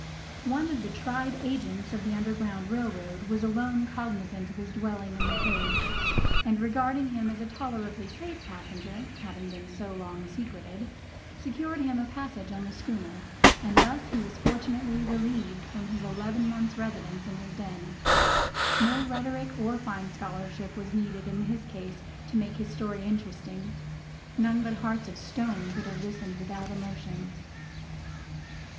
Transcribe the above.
One of the tried Agents of the Underground Rail Road was alone cognizant of his dwelling in the cave, and regarding him as a tolerably safe passenger (having been so long secreted), secured him a passage on the schooner, and thus he was fortunately relieved from his eleven months' residence in his den. No rhetoric or fine scholarship was needed in his case to make his story interesting. None but hearts of stone could have listened without emotion.